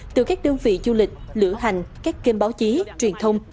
từ các đơn vị du lịch lửa hành các kênh báo chí truyền thông